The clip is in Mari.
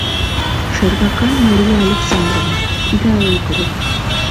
— Шергакан Мария Александровна, ида ойгыро.